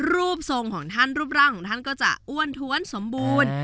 รูปทรงของท่านรูปร่างของท่านก็จะอ้วนท้วนสมบูรณ์